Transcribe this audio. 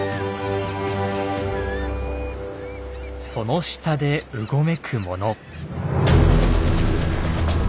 その下でうごめくもの。